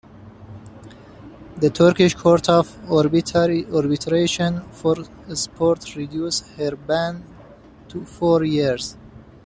The Turkish Court of Arbitration for Sport reduced her ban to four years.